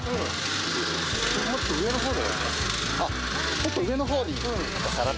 もっと上の方に。